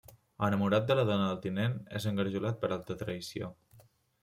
Enamorat de la dona del tinent, és engarjolat per alta traïció.